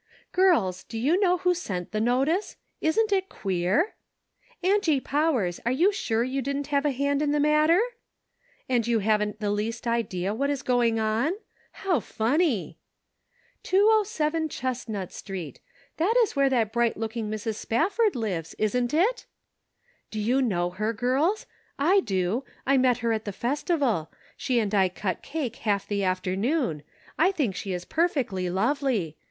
" Girls, do you know who sent the notice ? Isn't it queer ?"" Angie Powers, are you sure you didn't have a hand in the matter ?" Seed Sown on Thorny Ground. 233 "And you haven't the least idea what is going on ? How funny I "" 207 Chestnut Street. That is where that bright looking Mrs. Spafibrd lives, isn't it ?"" Do you know her, girls? I do. I met her at the festival; she and I cut cake half the after noon. I think she is perfectly lovely